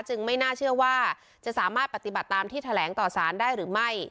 ไม่น่าเชื่อว่าจะสามารถปฏิบัติตามที่แถลงต่อสารได้หรือไม่